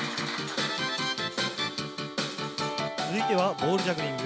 続いてはボールジャグリング。